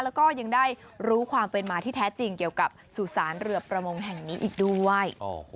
แล้วก็ยังได้รู้ความเป็นมาที่แท้จริงเกี่ยวกับสุสานเรือประมงแห่งนี้อีกด้วย